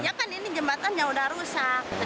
ya kan ini jembatan yang udah rusak